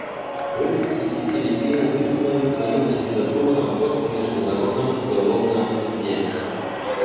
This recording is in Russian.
В этой связи Филиппины выдвинули свою кандидатуру на пост в Международном уголовном суде.